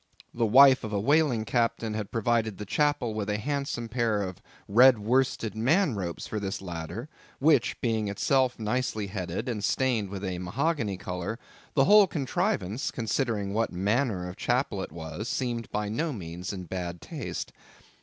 The wife of a whaling captain had provided the chapel with a handsome pair of red worsted man ropes for this ladder, which, being itself nicely headed, and stained with a mahogany colour, the whole contrivance, considering what manner of chapel it was, seemed by no means in bad taste.